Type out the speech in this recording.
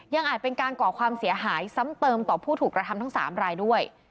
อาจเป็นการก่อความเสียหายซ้ำเติมต่อผู้ถูกกระทำทั้ง๓รายด้วย